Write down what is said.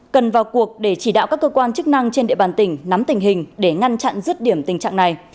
cần vào cuộc để chỉ đạo các cơ quan chức năng trên địa bàn tỉnh nắm tình hình để ngăn chặn rứt điểm tình trạng này